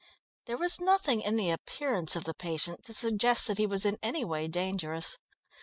There was nothing in the appearance of the patient to suggest that he was in any way dangerous.